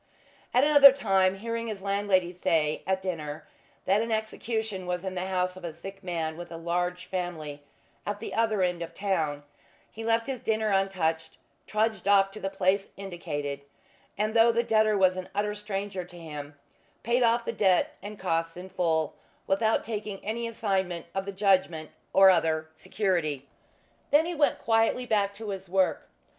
At another time, hearing his landlady say, at dinner, that an execution was in the house of a sick man with a large family, at the other end of the town, he left his dinner untouched, trudged off to the place indicated, and though the debtor was an utter stranger to him paid off the debt and costs in full, without taking any assignment of the judgment or other security. Then he went quietly back to his work.